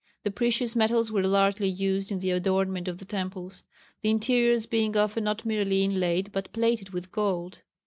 The precious metals were largely used in the adornment of the temples, the interiors being often not merely inlaid but plated with gold.